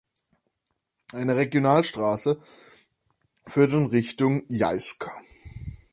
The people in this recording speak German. Eine Regionalstraße führt in Richtung Jeisk.